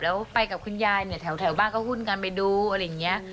แล้วไปกับคุณยายเนี่ยแถวบ้านก็หุ้นกันไปดูอะไรอย่างนี้